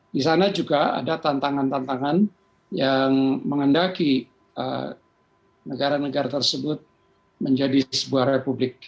di sana juga ada tantangan tantangan yang mengendaki negara negara tersebut menjadi sebuah republik